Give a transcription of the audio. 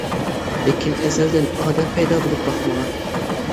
لېكىن، ئەزەلدىن ئادەم پەيدا بولۇپ باقمىغان.